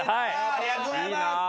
ありがとうございます！